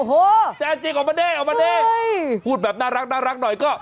โอ้โหเอ้ยพูดแบบน่ารักหน่อยก็